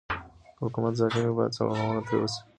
که حکومت ظالم وي بايد سرغړونه ترې وسي.